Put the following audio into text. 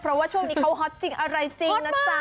เพราะว่าช่วงนี้เขาฮอตจริงอะไรจริงนะจ๊ะ